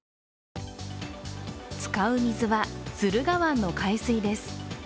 使う水は駿河湾の海水です。